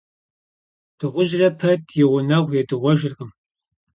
Дыгъужьырэ пэт и гъунэгъу едыгъуэжыркъым.